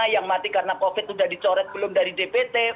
yang mati karena covid sudah dicoret belum dari dpt